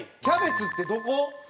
キャベツってどこ？